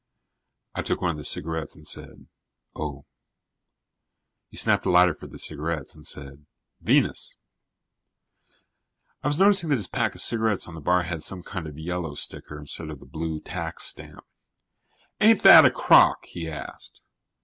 I took one of his cigarettes and said: "Oh." He snapped a lighter for the cigarettes and said: "Venus." I was noticing that his pack of cigarettes on the bar had some kind of yellow sticker instead of the blue tax stamp. "Ain't that a crock?" he asked.